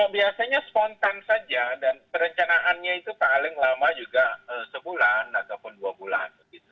biasanya spontan saja dan perencanaannya itu paling lama juga sebulan ataupun dua bulan